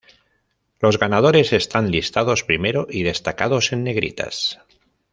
Los ganadores están listados primero y destacados en negritas.